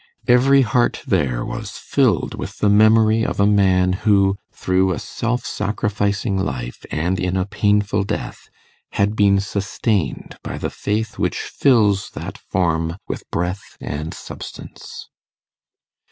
Every heart there was filled with the memory of a man who, through a self sacrificing life and in a painful death, had been sustained by the faith which fills that form with breath and substance.